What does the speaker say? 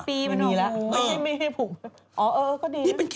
๔๑ปีมันหวังไม่ให้ผูก